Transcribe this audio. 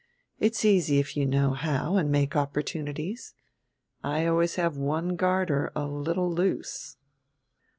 It's easy if you know how and make opportunities. I always have one garter a little loose."